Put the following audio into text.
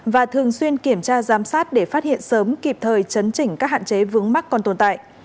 và thường xuyên kiểm tra giám sát để phát hiện sớm kịp thời chấn chỉnh các hạn chế vướng mắc còn tồn tại